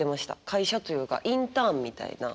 会社というかインターンみたいな。